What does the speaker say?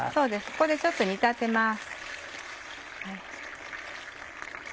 ここでちょっと煮立てます。